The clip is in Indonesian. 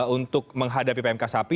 untuk menghadapi pmk sapi